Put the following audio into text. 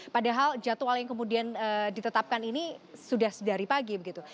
padahal jadwal yang kemudian ditetapkan ini sudah dari pagi begitu